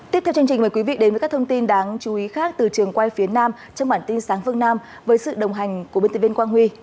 tiếp theo chương trình mời quý vị đến với các thông tin đáng chú ý khác từ trường quay phía nam trong bản tin sáng phương nam với sự đồng hành của biên tập viên quang huy